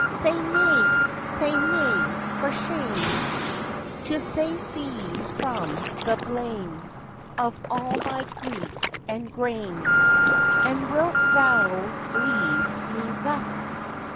Say nay! say nay! for shame, To save thee from the blame Of all my grief and grame. And wilt thou leave me thus?